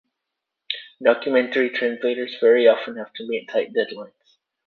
Documentary translators very often have to meet tight deadlines.